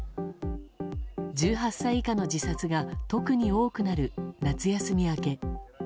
１８歳以下の自殺が特に多くなる夏休み明け。